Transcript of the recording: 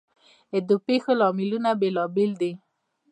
ددې پیښو لاملونه بیلابیل دي.